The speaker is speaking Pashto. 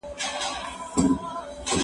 له ښاره ووزه، له نرخه ئې مه وزه.